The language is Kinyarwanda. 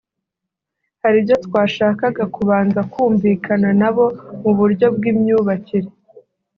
hari ibyo twashakaga kubanza kumvikana na bo mu buryo bw’imyubakire